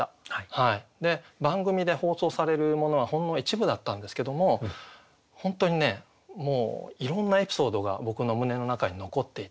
番組で放送されるものはほんの一部だったんですけども本当にねもういろんなエピソードが僕の胸の中に残っていて。